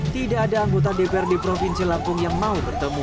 tidak ada anggota dprd provinsi lampung yang mau bertemu